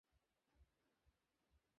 তিনি সুলাইমানকে সহায়তা করেছেন।